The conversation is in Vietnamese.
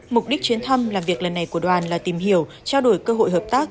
mục đích chuyến thăm làm việc lần này của đoàn là tìm hiểu trao đổi cơ hội hợp tác